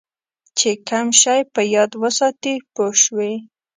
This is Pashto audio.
چې کم شی په یاد وساتې پوه شوې!.